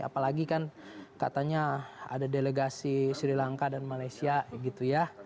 apalagi kan katanya ada delegasi sri lanka dan malaysia gitu ya